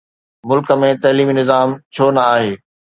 ملڪ ۾ تعليمي نظام ڇو نه آهي؟